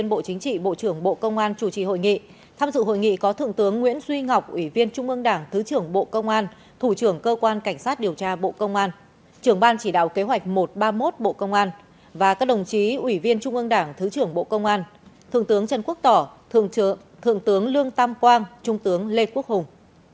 bộ trưởng bộ công an chủ trì hội nghị tham dự hội nghị có thượng tướng nguyễn duy ngọc ủy viên trung ương đảng thứ trưởng bộ công an thủ trưởng cơ quan cảnh sát điều tra bộ công an trưởng ban chỉ đạo kế hoạch một trăm ba mươi một bộ công an và các đồng chí ủy viên trung ương đảng thứ trưởng bộ công an thượng tướng trần quốc tỏ thượng tướng lương tam quang trung tướng lê quốc hùng